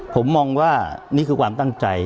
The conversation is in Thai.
ผมมองว่านี่คือความตั้งใจ